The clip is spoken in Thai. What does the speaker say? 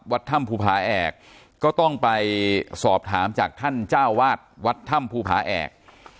วัดถ้ำภูผาแอกก็ต้องไปสอบถามจากท่านเจ้าวาดวัดถ้ำภูผาแอก